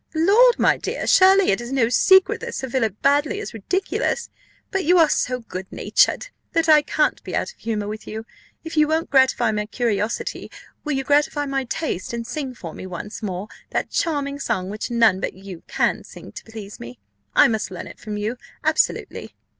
"Lord, my dear, surely it is no secret that Sir Philip Baddely is ridiculous; but you are so good natured that I can't be out of humour with you. If you won't gratify my curiosity, will you gratify my taste, and sing for me once more that charming song which none but you can sing to please me? I must learn it from you, absolutely."